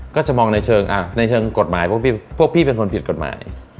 ก็จะมองในเชิงในเชิงกฎหมายพวกพี่เป็นคนผิดกฎหมาย